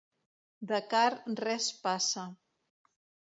De car res passa.